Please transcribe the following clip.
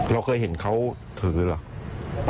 เราเคยเห็นเขาถือเหรอ